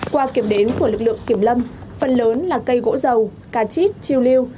qua kiểm đếm của lực lượng kiểm lâm phần lớn là cây gỗ dầu cà chít chiêu lưu